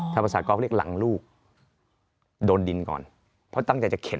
ถ้าภาษาก๊อฟเรียกหลังลูกโดนดินก่อนเพราะตั้งใจจะเข็น